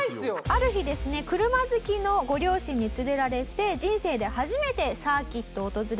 ある日ですね車好きのご両親に連れられて人生で初めてサーキットを訪れたトミバヤシ少年。